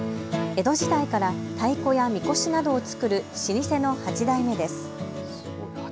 江戸時代から太鼓やみこしなどを作る老舗の８代目です。